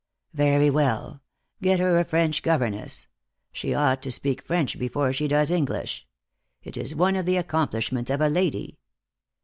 "Very well. Get her a French governess. She ought to speak French before she does English. It is one of the accomplishments of a lady.